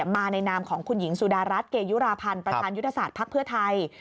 มาในนามของคุณหญิงสุดารัฐเกยุราพันธ์ประธานยุทธศาสตร์ภักดิ์เพื่อไทย